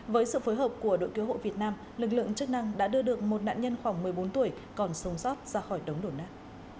với sự phối hợp của đội cứu hộ việt nam lực lượng chức năng đã đưa được một nạn nhân khoảng một mươi bốn tuổi còn sống sót ra khỏi đống đổ nát